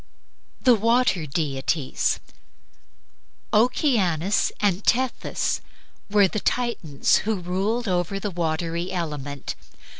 THE WATER DEITIES Oceanus and Tethys were the Titans who ruled over the watery element.